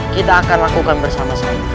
kita akan lakukan bersama sama